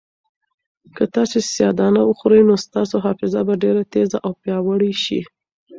که تاسي سیاه دانه وخورئ نو ستاسو حافظه به ډېره تېزه او پیاوړې شي.